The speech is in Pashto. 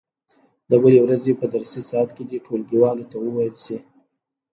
د بلې ورځې په درسي ساعت کې دې ټولګیوالو ته وویل شي.